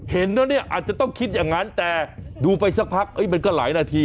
เห็นแล้วเนี่ยอาจจะต้องคิดอย่างนั้นแต่ดูไปสักพักมันก็หลายนาที